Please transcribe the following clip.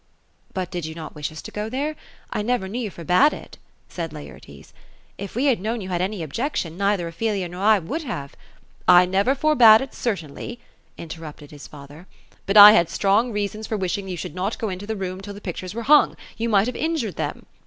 ^*But did you not wish us to go. there? I never knew you forbade it ?" said Laertes. '* If we had known 3'ou had any objection, neither Ophelia nor I would have "<< I never forbade it certainly," interrupted his father ;* but I had strong reasons for wishing that you should not go into the room till the pictures were hung. You might have injured them.